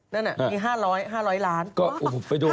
นั่นน่ะมี๕๐๐ล้าน๕๐๐ล้านดอลลาร์ก็ไปดู